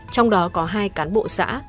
trong đó có hai cán bộ xã